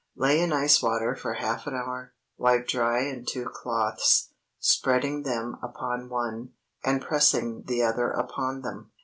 Lay in ice water for half an hour, wipe dry in two cloths, spreading them upon one, and pressing the other upon them.